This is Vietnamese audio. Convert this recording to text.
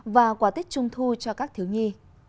và quà tích trung thu cho các thiếu nhi